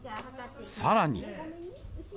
さらに。